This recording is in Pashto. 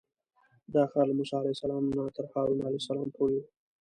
دا ښار له موسی علیه السلام نه تر هارون علیه السلام پورې و.